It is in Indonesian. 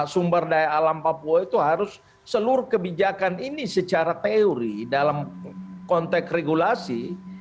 sumber daya alam papua itu harus seluruh kebijakan ini secara teori dalam konteks regulasi